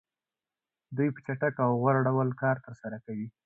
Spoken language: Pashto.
دوی په چټک او غوره ډول کار ترسره کوي